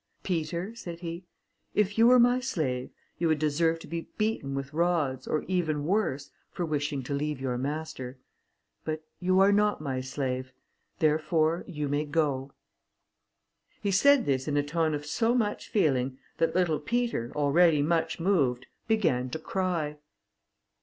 "Peter," said he, "if you were my slave, you would deserve to be beaten with rods, or even worse, for wishing to leave your master; but you are not my slave, therefore you may go." He said this in a tone of so much feeling, that little Peter, already much moved, began to cry.